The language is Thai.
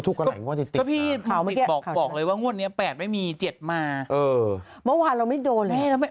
ก็พี่สิริฟอร์นบอกเลยว่างว่างวดนี้๘ไม่มี๗มาเมื่อวานเราไม่โดนแหละ